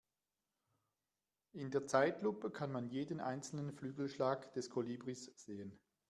In der Zeitlupe kann man jeden einzelnen Flügelschlag des Kolibris sehen.